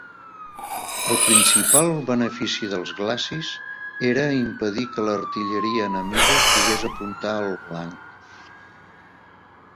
El principal benefici dels glacis era impedir que l'artilleria enemiga pogués apuntar al blanc.